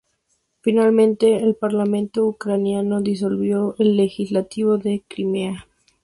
Finalmente, el Parlamento ucraniano disolvió el legislativo de Crimea.